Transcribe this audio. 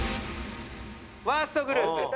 ワーストグループ。